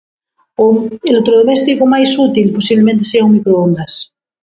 O electrodoméstico máis útil posiblemente sea o microondas.